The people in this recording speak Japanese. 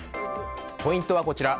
ポイントはこちら。